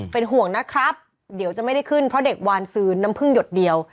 เป็นห่วงนะครับเดี๋ยวจะไม่ได้ขึ้นเพราะเด็กวานซื้อน้ำพึ่งหยดเดียว